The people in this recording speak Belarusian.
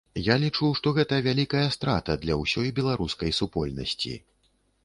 Я лічу, што гэта вялікая страта для ўсёй беларускай супольнасці.